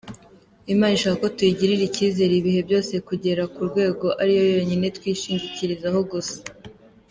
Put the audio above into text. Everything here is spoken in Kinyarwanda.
Imana ishaka ko tuyigirira icyizere ibihe byose kugera ku rwego ariyo yonyine twishingikirizaho gusa.